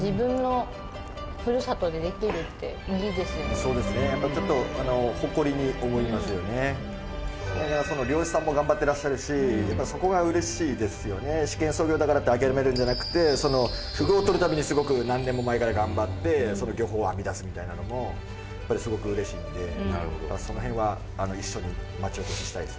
そうですねやっぱちょっと漁師さんも頑張っていらっしゃるしやっぱそこが嬉しいですよね試験操業だからって諦めるんじゃなくてフグをとるためにすごく何年も前から頑張って漁法を編み出すみたいなのもやっぱりすごく嬉しいんでその辺は一緒にまちおこししたいですよね